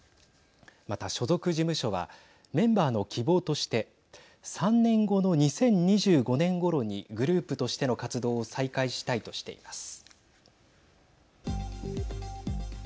また、所属事務所はメンバーの希望として３年後の２０２５年ごろにグループとしての活動を再開したいとしています。